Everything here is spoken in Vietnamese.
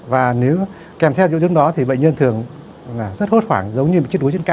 và nếu kèm theo những chút đó thì bệnh nhân thường rất hốt khoảng giống như một chiếc đuối trên cạn